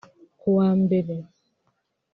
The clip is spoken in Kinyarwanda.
Ku wa Mbere